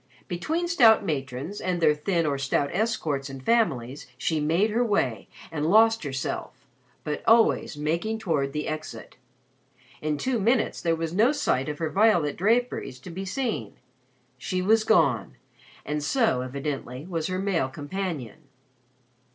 Between stout matrons and their thin or stout escorts and families she made her way and lost herself but always making toward the exit. In two minutes there was no sight of her violet draperies to be seen. She was gone and so, evidently, was her male companion.